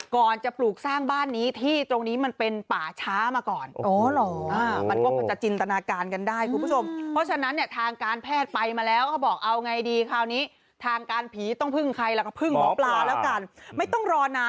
ก่อนจะปลูกสร้างบ้านนี้ที่ตรงนี้มันเป็นป่าช้ามาก่อน